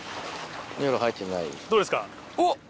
どうですか？